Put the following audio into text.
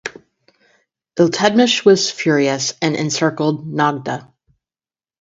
Iltutmish was furious and encircled Nagda.